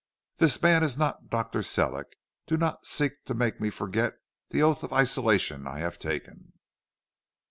This man is not Dr. Sellick; do not then seek to make me forget the oath of isolation I have taken.'